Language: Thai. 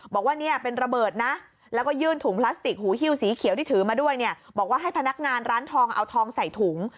บอกว่าเนี่ยเป็นระเบิดนะแล้วก็ยื่นถุงพลาสติกหูฮิวสีเขียวที่ถือมาด้วยเนี่ยบอกว่าให้พนักงานร้านทองเอาทองใส่ถุง